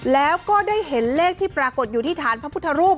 แล้วก็ได้เห็นเลขที่ปรากฏอยู่ที่ฐานพระพุทธรูป